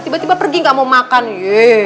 tiba tiba pergi gak mau makan gitu